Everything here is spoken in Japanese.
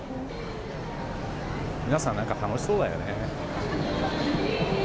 皆さん、楽しそうだよね。